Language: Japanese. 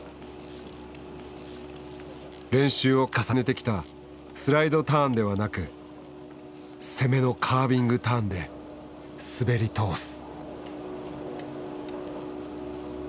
練習を重ねてきたスライドターンではなく攻めのカービングターンで滑り通す。